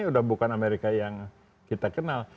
sudah bukan amerika yang kita kenal